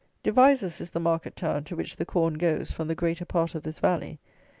Devizes is the market town to which the corn goes from the greater part of this Valley.